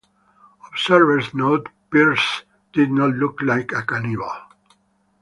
Observers noted Pearce did not look like a cannibal.